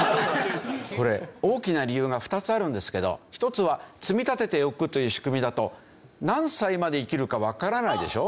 これ大きな理由が２つあるんですけど一つは積み立てておくという仕組みだとあっなるほど！